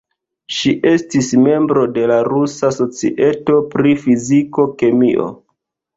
Ŝi estis membro de la Rusa Societo pri Fiziko-kemio.